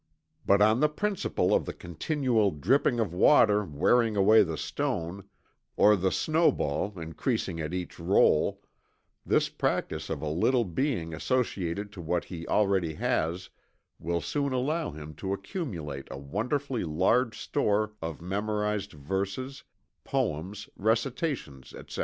But on the principle of the continual dripping of water wearing away the stone; or the snowball increasing at each roll; this practice of a little being associated to what he already has will soon allow him to accumulate a wonderfully large store of memorized verses, poems, recitations, etc.